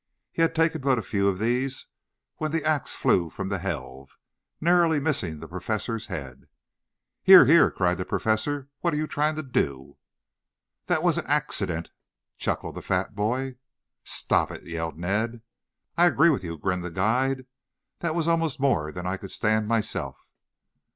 He had taken but a few of these when the axe flew from the helve, narrowly missing the Professor's head. "Here, here!" cried the Professor. "What are you trying to do?" "That was an axe i dent," chuckled the fat boy. "Stop it!" yelled Ned. "I agree with you," grinned the guide. "That was almost more than I could stand myself."